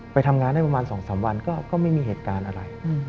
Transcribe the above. ไปทำงานได้ประมาณ๒๓วันก็ไม่มีเหตุการณ์อะไร